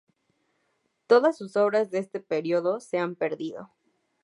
Todas sus obras de este período se han perdido.